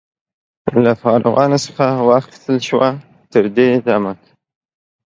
له فارغانو څخه واخیستل شوه. تر دې دمه